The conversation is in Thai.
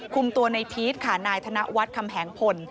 คุมตัวในพีชค่ะนายธนวัฒน์คำแหงพล